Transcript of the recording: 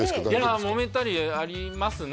いやもめたりありますね